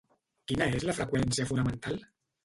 Quina és la freqüència fonamental?